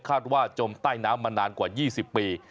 จมใต้น้ำมานานกว่า๒๐ปี